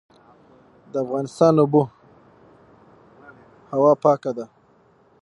د افغانستان اوبه هوا پاکه ده